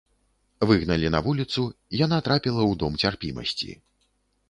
Выгналі на вуліцу, яна трапіла ў дом цярпімасці.